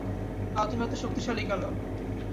তাও তুমি এত শক্তিশালী কেন?